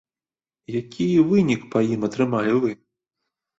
Які вынік па ім атрымалі вы?